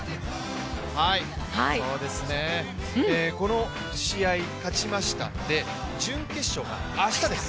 この試合、勝ちましたので準決勝が明日です。